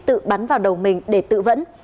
tự bắn vào đầu mình để tự vấn